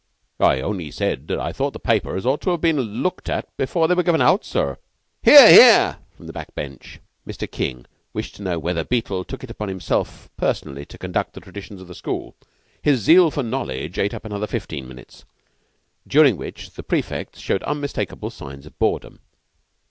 "I only said I thought the papers ought to have been looked at before they were given out, sir." "Hear, hear!" from a back bench. Mr. King wished to know whether Beetle took it upon himself personally to conduct the traditions of the school. His zeal for knowledge ate up another fifteen minutes, during which the prefects showed unmistakable signs of boredom.